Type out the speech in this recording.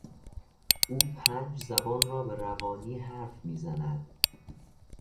او پنج زبان را به روانی حرف میزند.